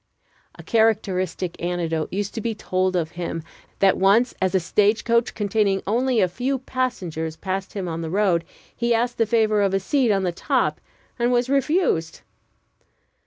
A characteristic anecdote used to be told of him: that once, as a stage coach containing, only a few passengers passed him on the road, he asked the favor of a seat on the top, and was refused.